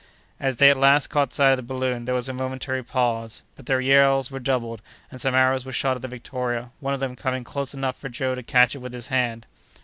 As they at last caught sight of the balloon, there was a momentary pause; but their yells redoubled, and some arrows were shot at the Victoria, one of them coming close enough for Joe to catch it with his hand.